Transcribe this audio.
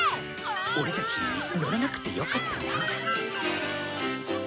オレたち乗らなくてよかったな。